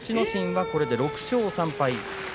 心は、これで６勝３敗。